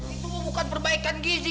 itu bukan perbaikan gizi